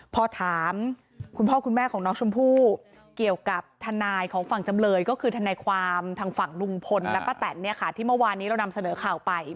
พอถามคุณพ่อคุณแม่ของน้องชมพู่เกี่ยวกับทนายของฝั่งจำเลยก็คือทนายความทางฝั่งลุงพลและป้าแตนเนี่ยค่ะที่เมื่อวานนี้เรานำเสนอข่าวไป